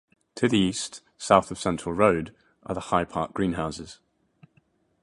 To the east, south of Centre Road, are the High Park greenhouses.